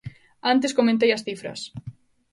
Antes comentei as cifras.